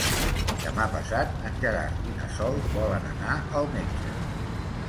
Demà passat en Gerard i na Sol volen anar al metge.